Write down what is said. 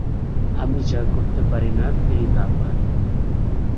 আমি যা করতে পারি না তিনি তা পারেন।